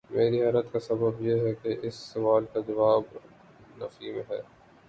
میری حیرت کا سبب یہ ہے کہ اس سوال کا جواب نفی میں ہے۔